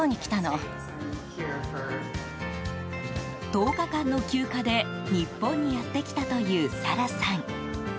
１０日間の休暇で日本にやってきたというサラさん。